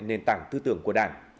nền tảng tư tưởng của đảng